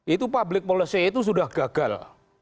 itu public policy itu sudah gagal